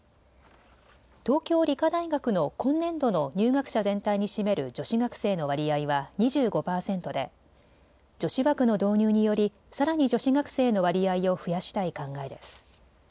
東京理科大学の今年度の入学者全体に占める女子学生の割合は２５％で女子枠の導入によりさらに女子学生の割合を増やしたい考えです。